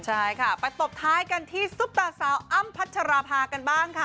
ใช่ค่ะไปตบท้ายกันที่ซุปตาสาวอ้ำพัชราภากันบ้างค่ะ